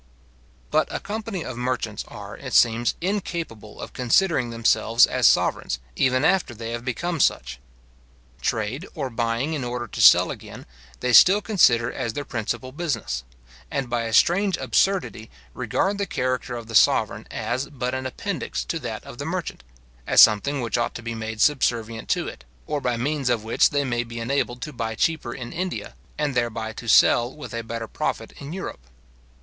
But a company of merchants, are, it seems, incapable of considering themselves as sovereigns, even after they have become such. Trade, or buying in order to sell again, they still consider as their principal business, and by a strange absurdity, regard the character of the sovereign as but an appendix to that of the merchant; as something which ought to be made subservient to it, or by means of which they may be enabled to buy cheaper in India, and thereby to sell with a better profit in Europe.